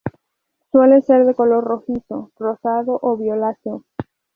Suele ser de color rojizo, rosado o violáceo.